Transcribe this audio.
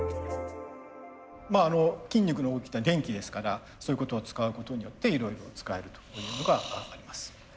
筋肉の動きっていうのは電気ですからそういうことを使うことによっていろいろ使えるというのがあります。